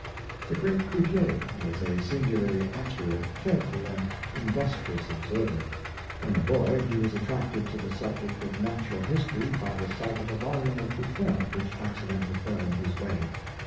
'"' The great Cuvier w^as a singularly accurate, careful, and industrious observer. When a boy he was at tracted to the subject of natural history by the sight of a volume of Buffon which accidentally fell m his way.